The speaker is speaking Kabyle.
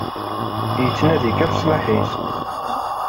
Yettnadi kan leṣlaḥ-is.